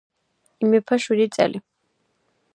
იმეფა შვიდი წელი.